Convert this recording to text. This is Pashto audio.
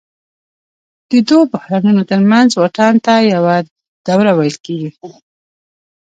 د دوو بحرانونو ترمنځ واټن ته یوه دوره ویل کېږي